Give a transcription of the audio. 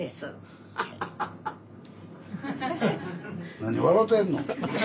何笑てんの？